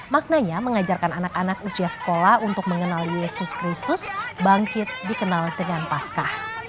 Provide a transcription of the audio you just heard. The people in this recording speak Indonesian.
maknanya mengajarkan anak anak usia sekolah untuk mengenal yesus kristus bangkit dikenal dengan paskah